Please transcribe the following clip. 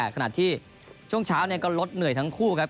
ขณะที่ช่วงเช้าก็ลดเหนื่อยทั้งคู่ครับ